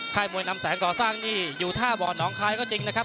มวยนำแสงก่อสร้างนี่อยู่ท่าบ่อน้องคายก็จริงนะครับ